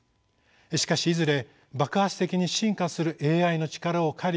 しかしいずれ爆発的に進化するＡＩの力を借り